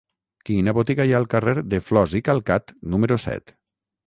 Quina botiga hi ha al carrer de Flos i Calcat número set?